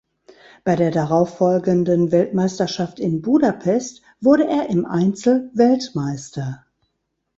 Bei der darauffolgenden Weltmeisterschaft in Budapest wurde er im Einzel Weltmeister.